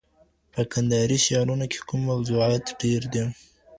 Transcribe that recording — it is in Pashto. په کندهاري شعرونو کي کوم موضوعات ډېر دي؟